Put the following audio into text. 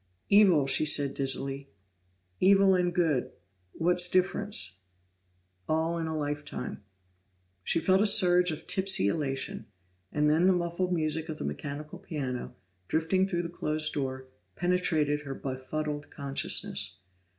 "Evil!" she said dizzily. "Evil and good what's difference? All in a lifetime!" She felt a surge of tipsy elation, and then the muffled music of the mechanical piano, drifting through the closed door, penetrated her befuddled consciousness.